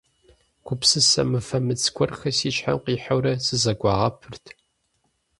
Гупсысэ мыфэмыц гуэрхэр си щхьэм къихьэурэ сызэгуагъэпырт.